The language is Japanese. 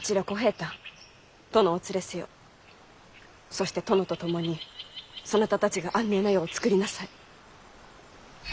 そして殿と共にそなたたちが安寧な世をつくりなさい。